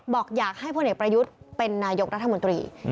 บอกอยากให้พลเอกประยุทธ์เป็นนายกรัฐมนตรี